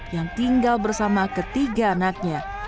yang tinggal bersama ketiga anaknya